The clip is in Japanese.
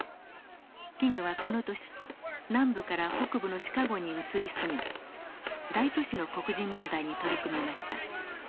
キングはこの年南部から北部のシカゴに移り住み大都市の黒人問題に取り組みました。